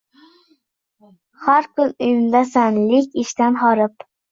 Har kun uyimdasan, lek ishdan horib